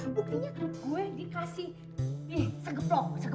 buktinya gue dikasih segeplok